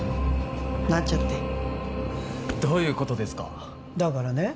なんちゃってどういうことですかだからね